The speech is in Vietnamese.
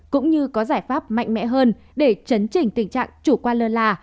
cũng như có giải pháp mạnh mẽ hơn để chấn chỉnh tình trạng chủ quan lơ là